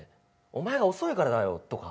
「お前が遅いからだよ」とか。